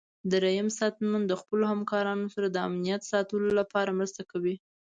دریم ساتنمن د خپلو همکارانو سره د امنیت ساتلو لپاره مرسته کوي.